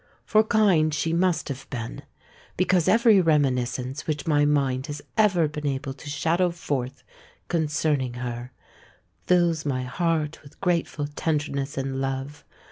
For kind she must have been—because every reminiscence which my mind has ever been able to shadow forth concerning her, fills my heart with grateful tenderness and love.